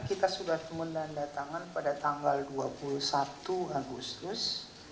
kita sudah menandatangan pada tanggal dua puluh satu agustus